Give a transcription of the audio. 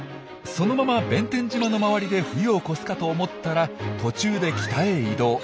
そのまま弁天島の周りで冬を越すかと思ったら途中で北へ移動。